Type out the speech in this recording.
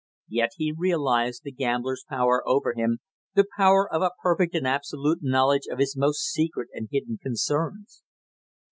Yet he realized the gambler's power over him, the power of a perfect and absolute knowledge of his most secret and hidden concerns.